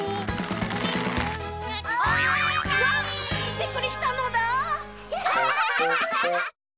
びっくりしたのだ！